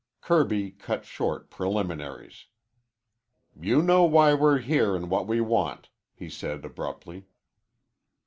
Kirby cut short preliminaries. "You know why we're here and what we want," he said abruptly.